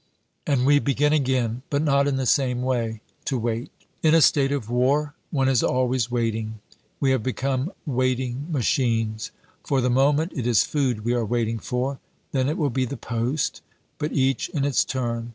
And we begin again, but not in the same way, to wait. In a state of war, one is always waiting. We have become waiting machines. For the moment it is food we are waiting for. Then it will be the post. But each in its turn.